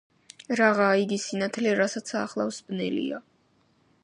რაღაა იგი სინათლე, რასაცა ახლავს ბნელია?!